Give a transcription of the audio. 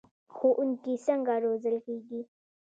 ښوونکي څنګه روزل کیږي؟